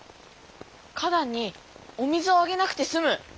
花だんにお水をあげなくてすむ。